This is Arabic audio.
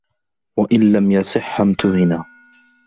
وَإِنْ لَمْ يَصِحَّ اُمْتُهِنَ